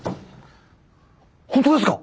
本当ですか？